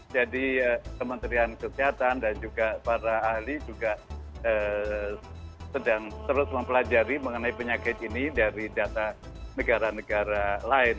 jadi kementerian kesehatan dan juga para ahli juga sedang terus mempelajari mengenai penyakit ini dari data negara negara lain